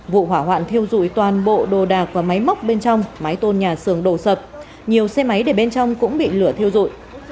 vụ hỏa hoạn thiêu dụi toàn bộ đồ đạc và máy móc bên trong mái tôn nhà xưởng đổ sập nhiều xe máy để bên trong cũng bị lửa thiêu rụi